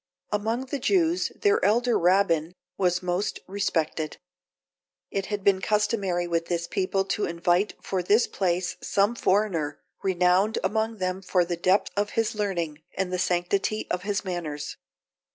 Among the Jews, their elder Rabbin was most respected. It has been customary with this people to invite for this place some foreigner, renowned among them for the depth of his learning, and the sanctity of his manners.